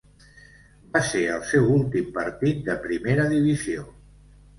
Va ser el seu últim partit de primera divisió.